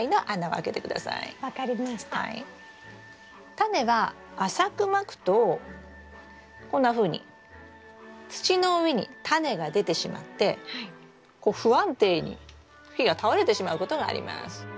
タネは浅くまくとこんなふうに土の上にタネが出てしまってこう不安定に茎が倒れてしまうことがあります。